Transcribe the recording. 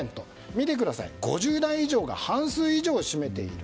見てください、５０代以上が半数以上を占めている。